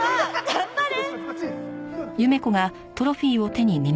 頑張れ！